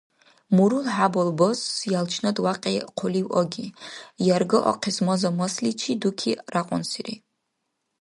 Мурул хӀябал баз ялчнад вякьи хъулив аги. Ярга ахъес маза-масличи дуки рякьунсири.